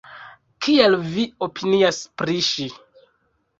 Kiel vi opinias pri ŝi?